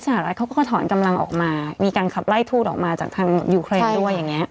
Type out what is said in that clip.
รัฐเขาก็ถอนกำลังออกมามีการขับไล่ทูตออกมาจากทางยูเครนด้วยอย่างเงี้